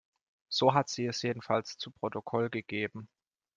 So hat sie es jedenfalls zu Protokoll gegeben.